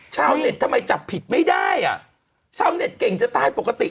ชาวเน็ตทำไมจับผิดไม่ได้อ่ะชาวเน็ตเก่งจะตายปกติ